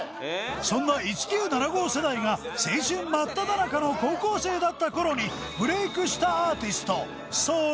そんな１９７５世代が青春真っただ中の高校生だった頃にブレイクしたアーティストそれは